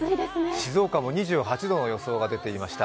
静岡も２８度の予想が出ていました。